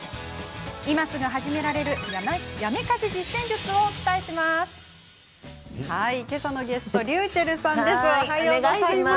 今すぐ始められるやめ家事実践術をお伝えしていきます。